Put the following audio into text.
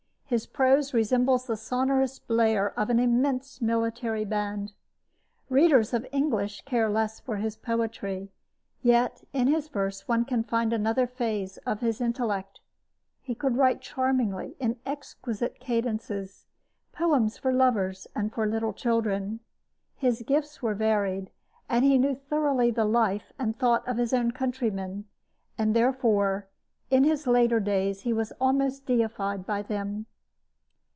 His prose resembles the sonorous blare of an immense military band. Readers of English care less for his poetry; yet in his verse one can find another phase of his intellect. He could write charmingly, in exquisite cadences, poems for lovers and for little children. His gifts were varied, and he knew thoroughly the life and thought of his own countrymen; and, therefore, in his later days he was almost deified by them.